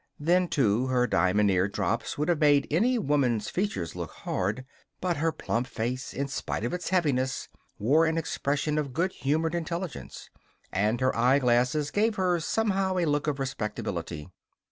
Then, too, her diamond eardrops would have made any woman's features look hard; but her plump face, in spite of its heaviness, wore an expression of good humored intelligence, and her eyeglasses gave her somehow a look of respectability.